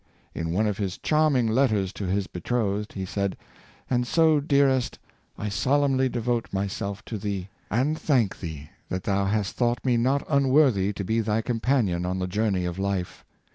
In one of his charming letters to his betrothed he said: " And so, dearest, I solemnly devote myself to thee, and thank thee that thou hast thought me not unworthy to be thy companion on the journey of life.